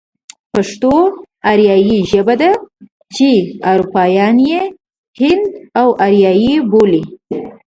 پښتو آريايي ژبه ده چې اروپايان يې هند و آريايي بولي.